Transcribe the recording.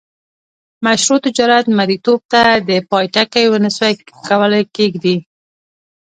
مشروع تجارت مریتوب ته د پای ټکی ونه سوای کولای کښيږدي.